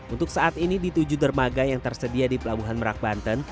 untuk saat ini di tujuh dermaga yang tersedia di pelabuhan merak banten